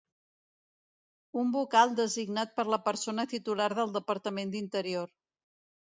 Un vocal designat per la persona titular del Departament d'Interior.